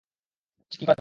ভাবছি কী করা যায়।